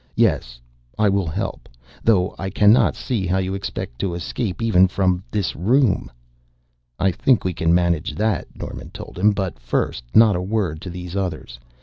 Yes, I will help, though I cannot see how you expect to escape even from this room." "I think we can manage that," Norman told him. "But first not a word to these others.